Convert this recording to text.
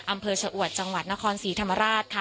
อำเภอชะอวดจังหวัดนครศรีธรรมราชค่ะ